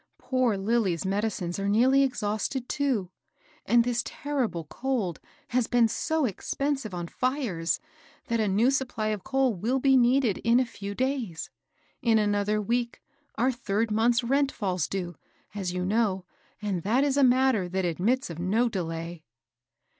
Poor Lilly's medicines are nearly exhausted, too ; and this ter rible cold has been so expensive on fires, that a new supply of coal will be needed in a few days. In another week, our third month's rent falls due, as you know, and that is a matter that admits of no delay."